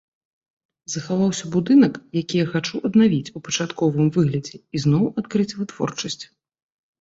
Захаваўся будынак, які я хачу аднавіць у пачатковым выглядзе і зноў адкрыць вытворчасць.